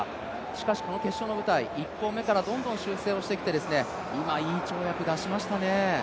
しかし、この決勝の舞台、１本目からどんどん修正をしてきて今、いい跳躍を出しましたね。